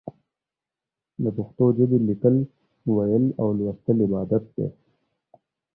د پښتو ژبې ليکل، ويل او ولوستل عبادت دی.